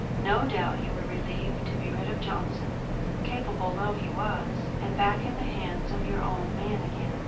No doubt you were relieved to be rid of Johnson, capable though he was, and to be back in the hands of your own man again.